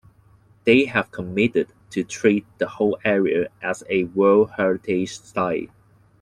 They have committed to treat the whole area as a World Heritage site.